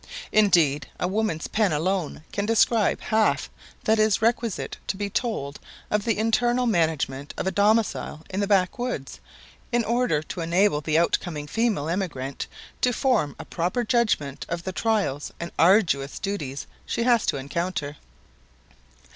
Indeed, a woman's pen alone can describe half that is requisite to be told of the internal management of a domicile in the backwoods, in order to enable the outcoming female emigrant to form a proper judgment of the trials and arduous duties she has to encounter.